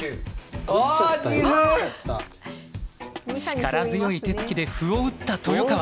力強い手つきで歩を打った豊川。